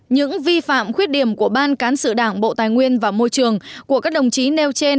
những vi phạm khuyết điểm của ban cán sự đảng bộ tài nguyên và môi trường của các đồng chí nêu trên